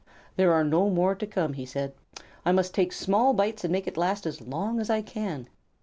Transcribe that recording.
"There are no more to come," he said. "I must take small bites and make it last as long as I can."